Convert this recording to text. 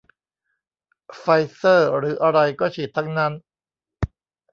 ไฟเซอร์หรืออะไรก็ฉีดทั้งนั้น